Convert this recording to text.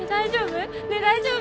大丈夫？